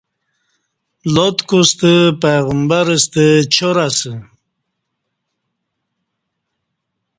لات کوستہ پیغبر ستہ چار اسہ